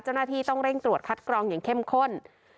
เจ้าหน้าที่ต้องเร่งตรวจคัดกรองอย่างเข้มข้น